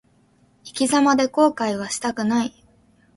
生き様で後悔はしたくない。